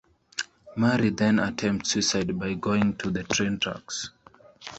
Marie then attempts suicide by going to the train tracks.